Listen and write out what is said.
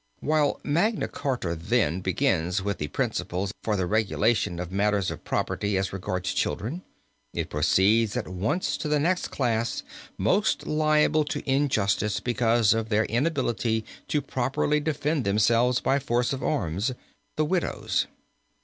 While Magna Charta, then, begins with the principles for the regulation of matters of property as regards children, it proceeds at once to the next class most liable to injustice because of their inability to properly defend themselves by force of arms the widows.